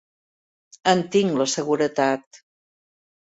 En tinc la seguretat.